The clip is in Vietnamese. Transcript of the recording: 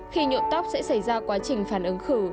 khi nhuộm tóc sẽ xảy ra quá trình phản ứng khử